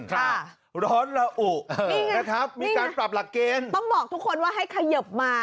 ค่ะร้อนระอุนะครับมีการปรับหลักเกณฑ์ต้องบอกทุกคนว่าให้เขยิบมา